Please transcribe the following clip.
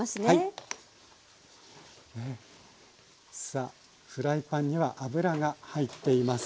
さあフライパンには油が入っています。